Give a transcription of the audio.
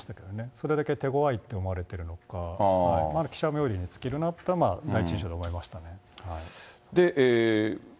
それだけ手ごわいと思われてるのか、記者みょうりに尽きるなというのは第一印象で思いましたね。